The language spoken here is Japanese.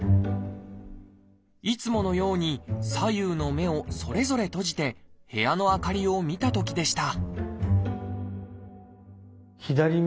いつものように左右の目をそれぞれ閉じて部屋の明かりを見たときでした